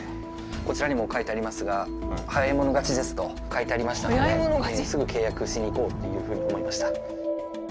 こちらにも書いてありますが「早い者勝ちです」と書いてありましたのですぐ契約しに行こうっていうふうに思いました。